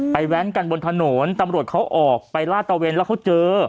แว้นกันบนถนนตำรวจเขาออกไปลาดตะเวนแล้วเขาเจอ